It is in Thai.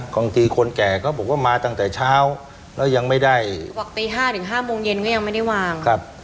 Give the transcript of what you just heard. บางทีคนแก่เขาบอกว่ามาตั้งแต่เช้าแล้วยังไม่ได้บอกตี๕ถึง๕โมงเย็นก็ยังไม่ได้วางครับ